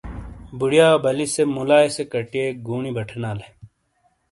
بوڈایا بلی سے مولائے کٹیک گونی بٹھینالے۔